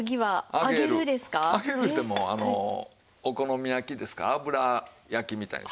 揚げるいうてもお好み焼きですから油焼きみたいに。